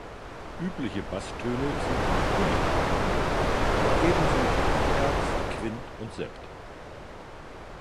Übliche Basstöne sind natürlich die Prime aber ebenso die Terz, Quint und Sept.